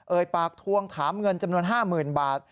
เอ่ยปากทวงถามเงินจำนวน๕หมื่นบาท